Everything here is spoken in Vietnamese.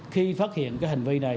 khi phát hiện cái hành vi này